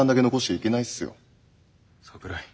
桜井。